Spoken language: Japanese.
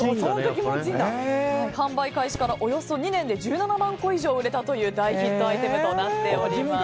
販売開始からおよそ２年で１７万個以上売れたという大ヒットアイテムとなっております。